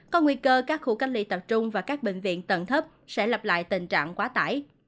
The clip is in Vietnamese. có nguy cơ các khu cách ly tập trung và các bệnh viện tận thấp sẽ lặp lại tình trạng quá tải